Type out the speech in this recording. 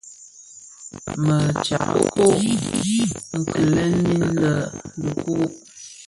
Më tyako kileň min lè di dhikuu.